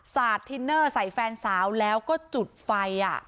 สาดทินเนอร์ใส่แฟนสาวแล้วก็จุดไฟ